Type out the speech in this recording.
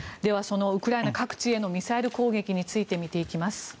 ウクライナ各地へのミサイル攻撃について見ていきます。